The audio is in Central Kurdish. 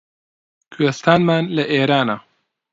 کوێستانمان لە ئێرانە